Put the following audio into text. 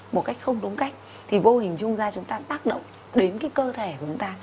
một cách không đúng cách thì vô hình chung ra chúng ta tác động đến cái cơ thể của chúng ta